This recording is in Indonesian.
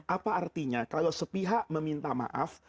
apa artinya kalau sepihak meminta maaf